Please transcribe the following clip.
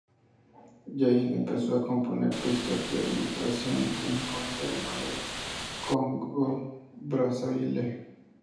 Jain empezó a componer pistas de demostración en Pointe-Noire, Congo-Brazzaville.